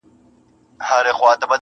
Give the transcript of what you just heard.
ګوښه پروت وو د مېږیانو له آزاره!.